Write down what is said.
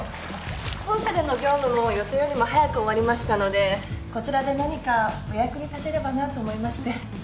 本社での業務も予定よりも早く終わりましたのでこちらで何かお役に立てればなと思いまして。